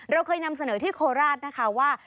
เราเคยนำเสนอที่โคราชนะคะว่า